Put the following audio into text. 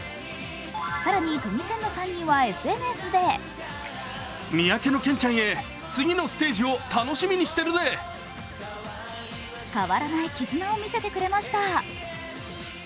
更に、トニセンの３人はＳＮＳで変わらない絆を見せてくれました。